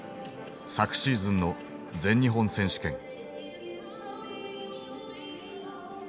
昨シーズンの全日本選手権。